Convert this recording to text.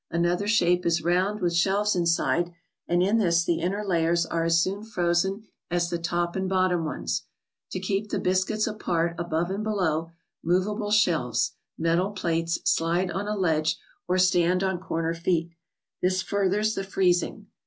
Another shape is round with shelves inside, and in this the inner layers are as soon frozen as the top and bottom ones. To keep the biscuits apart above and below, movable shelves (metal plates), slide on a ledge or stand on corner feet. This fur¬ thers the freezing.